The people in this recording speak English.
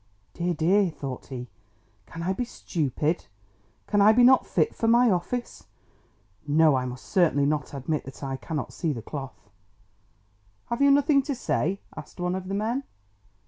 "Dear, dear!" thought he, "can I be stupid? Can I be not fit for my office? No, I must certainly not admit that I cannot see the cloth!" "Have you nothing to say?" asked one of the men.